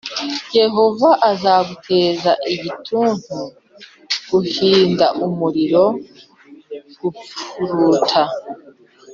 Yehova azaguteza igituntu, guhinda umuriro, gupfuruta,